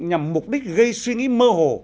nhằm mục đích gây suy nghĩ mơ hồ